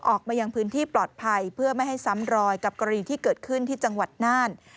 ออกมายังพื้นที่ปลอดภัยเพื่อไม่ให้ซ้ำรอยกับกรณีที่เกิดขึ้นที่จังหวัดน่าน